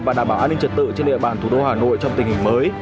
và đảm bảo an ninh trật tự trên địa bàn thủ đô hà nội trong tình hình mới